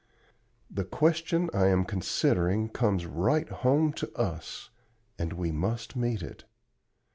The question I am considering comes right home to us, and we must meet it.